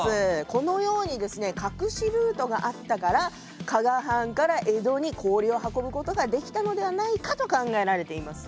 このようにですね隠しルートがあったから加賀藩から江戸に氷を運ぶことができたのではないかと考えられています。